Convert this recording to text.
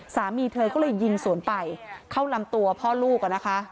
สามีเธอก็เลยยิงสวนไปเข้าลำตัวพ่อลูกอ่ะนะคะ